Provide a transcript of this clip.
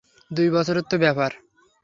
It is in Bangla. দুই বছরেরই তো ব্যাপার।